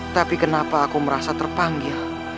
tapi kenapa aku merasa terpanggil